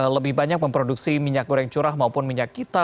lebih banyak memproduksi minyak goreng curah maupun minyak kita